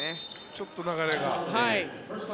ちょっと流れが。